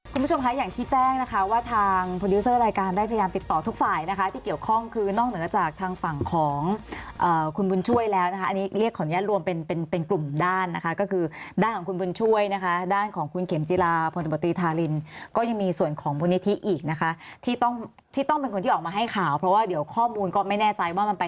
คุณผู้ชมค่ะอย่างที่แจ้งนะคะว่าทางโพดิวเซอร์รายการได้พยายามติดต่อทุกฝ่ายนะคะที่เกี่ยวข้องคือนอกเหนือจากทางฝั่งของคุณบุญช่วยแล้วนะคะอันนี้เรียกของญาติรวมเป็นกลุ่มด้านนะคะก็คือด้านของคุณบุญช่วยนะคะด้านของคุณเข็มจิลาผลปฏิบัติธารินก็ยังมีส่วนของบุญนิธิอีกนะคะที่ต้องเป็นคนที่ออกมาให้